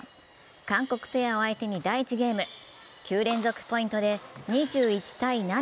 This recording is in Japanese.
韓国ペアを相手に第１ゲーム、９連続ポイントで２１−７。